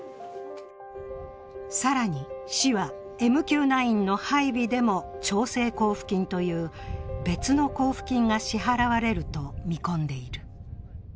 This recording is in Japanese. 更に、市はＭＱ９の配備でも調整交付金という別の交付金が支払われると見込んでいる。